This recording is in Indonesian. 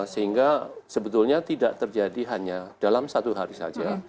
sehingga sebetulnya tidak terjadi hanya dalam satu hari saja